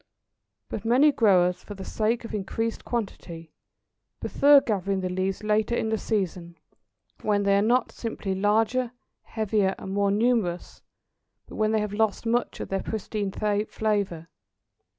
But many growers, for the sake of increased quantity, prefer gathering the leaves later in the season, when they are not simply larger, heavier, and more numerous, but when they have lost much of their pristine flavour.